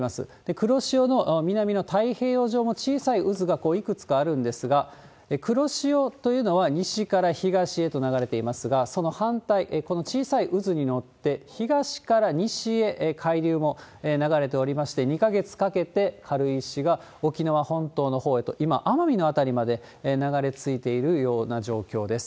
黒潮の南の太平洋上の小さい渦がいくつかあるんですが、黒潮というのは西から東へと流れていますが、その反対、この小さい渦に乗って、東から西へ海流も流れておりまして、２か月かけて軽石が沖縄本島のほうへと、今、奄美の辺りまで流れ着いているような状況です。